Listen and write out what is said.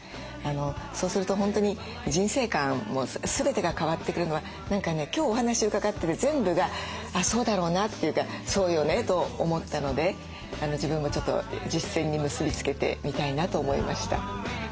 そうすると本当に人生観も全てが変わってくるのは何かね今日お話伺ってて全部が「あっそうだろうな」っていうか「そうよね」と思ったので自分もちょっと実践に結び付けてみたいなと思いました。